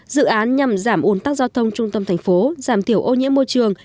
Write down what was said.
dự án nhằm giảm ồn tắc giao thông trung tâm thành phố giảm thiểu ô nhiễm môi trường